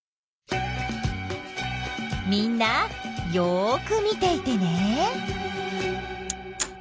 みんなよく見ていてね。